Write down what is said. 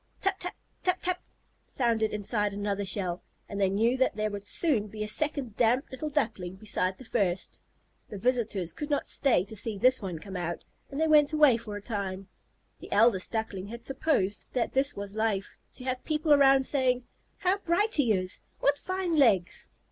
"Tap tap, tap tap," sounded inside another shell, and they knew that there would soon be a second damp little Duckling beside the first. The visitors could not stay to see this one come out, and they went away for a time. The eldest Duckling had supposed that this was life, to have people around saying, "How bright he is!" "What fine legs!"